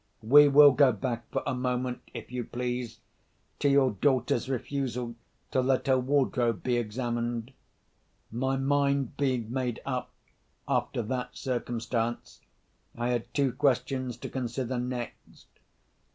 We will go back for a moment, if you please, to your daughter's refusal to let her wardrobe be examined. My mind being made up, after that circumstance, I had two questions to consider next.